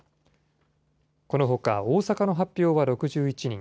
このほか、大阪の発表は６１人。